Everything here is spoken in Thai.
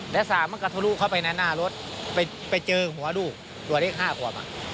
และสากมันกระทุดลูกเข้าไปในน่ารถไปเจอหัวลูกรวดเล็ก๕ความอ่ะ